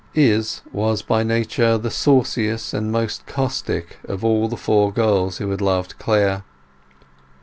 Izz was by nature the sauciest and most caustic of all the four girls who had loved Clare.